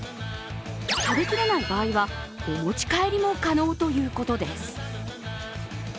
食べきれない場合はお持ち帰りも可能ということです。